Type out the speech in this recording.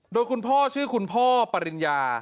โดยคุณพ่อชื่อคุณพ่อปริญญา